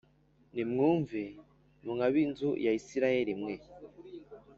Nimwumve mwa b’inzu ya Isirayeli mwe